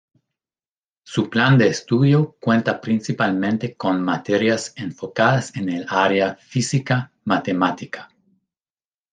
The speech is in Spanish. Su plan de estudio cuenta principalmente con materias enfocadas en el área física-matemática.